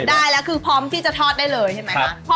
ได้แล้วคือพร้อมที่จะทอดได้เลยใช่ไหมคะ